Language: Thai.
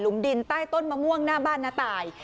ดินใต้ต้นมะม่วงหน้าบ้านน้าตาย